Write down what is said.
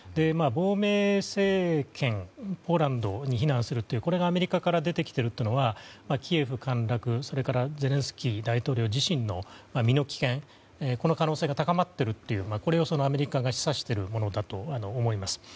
亡命政権ポーランドに避難するというこれがアメリカから出てきているというのはキエフ陥落、それからゼレンスキー大統領自身の身の危険この可能性が高まっているこれをアメリカが示唆しているものだと思います。